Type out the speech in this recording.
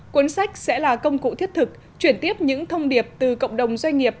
cuốn sách sẽ là công cụ thiết thực chuyển tiếp những thông điệp từ cộng đồng doanh nghiệp